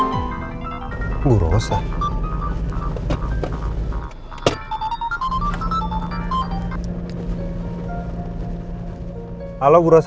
itu udah eyeballs